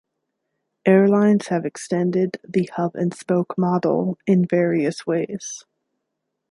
Airlines have extended the hub-and-spoke model in various ways.